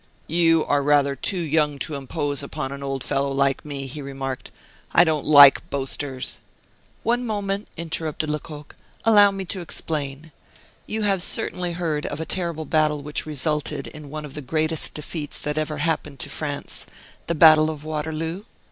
"You are rather too young to impose upon an old fellow like me," he remarked. "I don't like boasters " "One moment!" interrupted Lecoq; "allow me to explain. You have certainly heard of a terrible battle which resulted in one of the greatest defeats that ever happened to France the battle of Waterloo?"